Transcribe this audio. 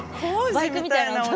バイクみたいな音。